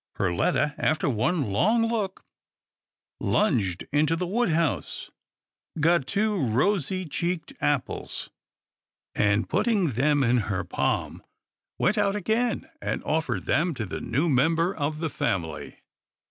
Perletta, after one long look, lounged into the wood house, got two rosy cheeked apples, and, put ting them in her palm, went out again and offered them to the new member of the family.